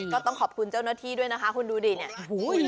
ก็ต้องขอบคุณเจ้าหน้าที่ด้วยนะคะคุณดูดิเนี่ย